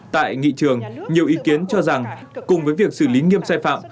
tại nghị trường nhiều ý kiến cho rằng cùng với việc xử lý nghiêm sai phạm